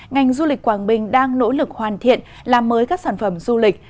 ngành du lịch quảng bình đang nỗ lực hoàn thiện làm mới các sản phẩm du lịch